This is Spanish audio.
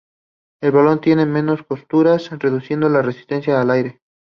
El balón tiene menos costuras, reduciendo la resistencia al aire.